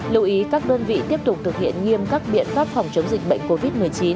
lưu ý các đơn vị tiếp tục thực hiện nghiêm các biện pháp phòng chống dịch bệnh covid một mươi chín